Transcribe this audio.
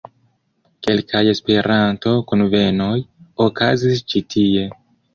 Kelkaj Esperanto-kunvenoj okazis ĉi tie.